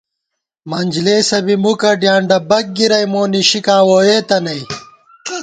منجلېسہ بی مُکہ ڈیانڈہ بَک گِرَئی مونِشِکاں ووئېتہ نئ